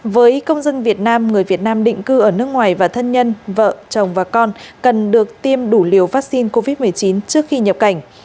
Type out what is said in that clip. với công dân việt nam người việt nam định cư ở nước ngoài và thân nhân vợ chồng và con cần được tiêm đủ liều vaccine covid một mươi chín trước khi nhập cảnh